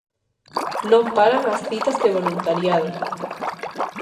Non paran as citas de voluntariado.